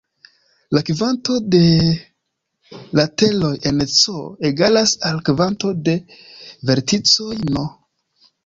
La kvanto de lateroj en "C" egalas al kvanto de verticoj "n".